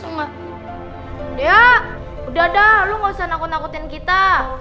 dia udah dah lo gak usah nakut nakutin kita